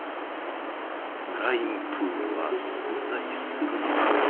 ブラインプールは存在するのか。